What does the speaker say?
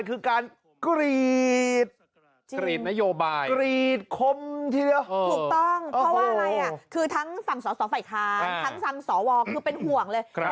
คือทั้งฝั่งสอสอฝ่ายคลานทั้งฝั่งสอวองคือเป็นห่วงเลย